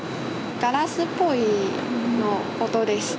ガラスっぽい音です。